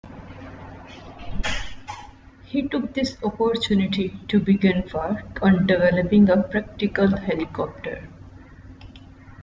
He took this opportunity to begin work on developing a practical helicopter.